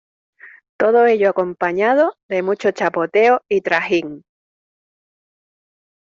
todo ello acompañado de mucho chapoteo y trajín.